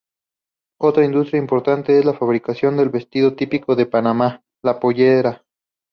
Otra industria importante es la fabricación del vestido típico de Panamá: la pollera.